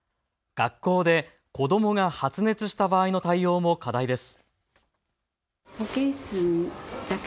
学校で子どもが発熱した場合の対応も課題です。